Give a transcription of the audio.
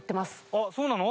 あっそうなの？